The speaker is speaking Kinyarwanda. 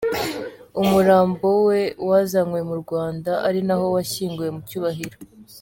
Umurambo we wazanywe mu Rwanda, ari na ho washyinguwe mu cyubahiro.